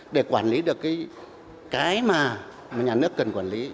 để quản lý được cái mà nhà nước cần quản lý